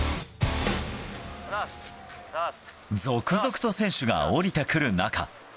続々と選手が降りてくる中。